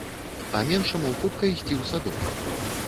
А меншаму хутка ісці ў садок.